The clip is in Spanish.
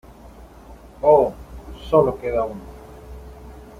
¡ Oh ! Sólo queda uno .